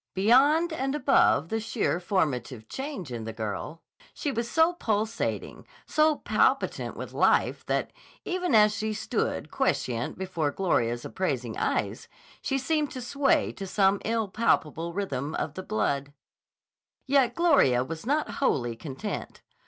Beyond and above the sheer formative change in the girl, she was so pulsating, so palpitant with life that, even as she stood quiescent before Gloria's appraising eyes, she seemed to sway to some impalpable rhythm of the blood. Yet Gloria was not wholly content.